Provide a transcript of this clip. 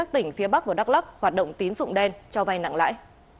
đắk lắc hoạt động tín dụng đen cho vai nặng lãi